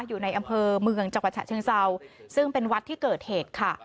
อยู่ในอำเภอเมืองจังหวัดฉะเชิงเซาซึ่งเป็นวัดที่เกิดเหตุค่ะ